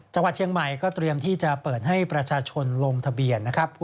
จังหวัดเชียงใหม่ก็เตรียมที่จะเปิดให้ประชาชนลงทะเบียนนะครับ